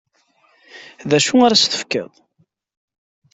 D acu ara as-tefkeḍ?